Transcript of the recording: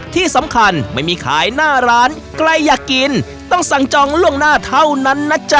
ที่สำคัญไม่มีขายหน้าร้านใครอยากกินต้องสั่งจองล่วงหน้าเท่านั้นนะจ๊ะ